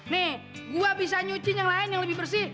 nih gue bisa nyuci yang lain yang lebih bersih